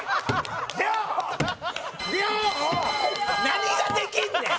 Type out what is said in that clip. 何ができんねん！